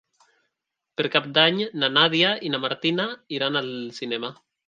Per Cap d'Any na Nàdia i na Martina iran al cinema.